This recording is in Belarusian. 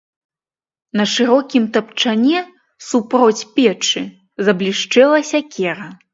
На шырокім тапчане супроць печы заблішчэла сякера.